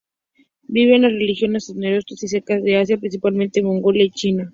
Vive en las regiones arenosas y secas de Asia, principalmente Mongolia y China.